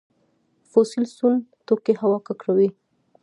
فوسیل سون توکي هوا ککړوي